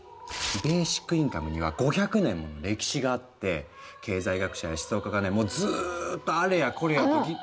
ベーシックインカムには５００年もの歴史があって経済学者や思想家がねもうずっとあれやこれやと議論。